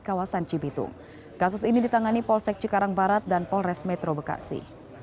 kawasan cibitung kasus ini ditangani polsek cikarang barat dan polres metro bekasi